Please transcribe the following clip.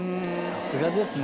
さすがですね。